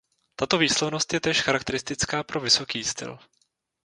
Tato výslovnost je též charakteristická pro vysoký styl.